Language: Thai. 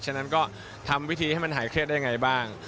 ฉะนั้นก็ทำวิธีให้มันหายเครียดได้ยังไงบ้าง